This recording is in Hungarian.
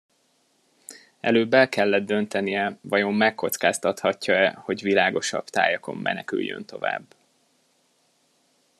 Előbb el kellett döntenie, vajon megkockáztathatja-e, hogy világosabb tájakon meneküljön tovább.